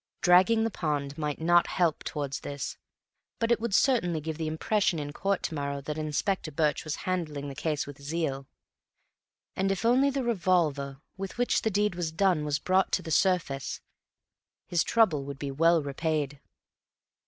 Dragging the pond might not help towards this, but it would certainly give the impression in court to morrow that Inspector Birch was handling the case with zeal. And if only the revolver with which the deed was done was brought to the surface, his trouble would be well repaid.